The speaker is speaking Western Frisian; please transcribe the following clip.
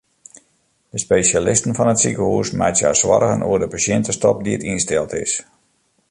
De spesjalisten fan it sikehús meitsje har soargen oer de pasjintestop dy't ynsteld is.